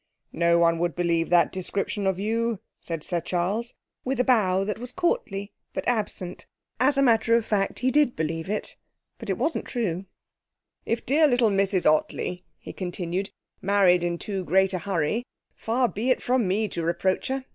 'No one would believe that description of you,' said Sir Charles, with a bow that was courtly but absent. As a matter of fact, he did believe it, but it wasn't true. 'If dear little Mrs Ottley,' he continued, 'married in too great a hurry, far be it from me to reproach her.